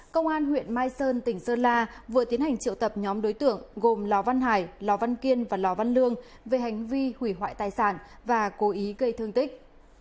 công an huyện mai sơn tỉnh sơn la vừa tiến hành triệu tập nhóm đối tượng gồm lò văn hải lò văn kiên và lò văn lương về hành vi hủy hoại tài sản và cố ý gây thương tích